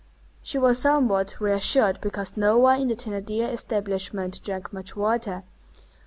She was somewhat reassured because no one in the Thénardier establishment drank much water.